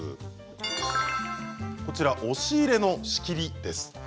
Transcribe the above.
押し入れの仕切りです。